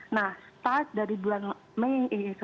nah mulai dari bulan mei